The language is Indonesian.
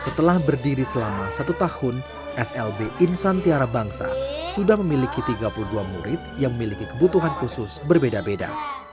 setelah berdiri selama satu tahun slb insantiara bangsa sudah memiliki tiga puluh dua murid yang memiliki kebutuhan khusus berbeda beda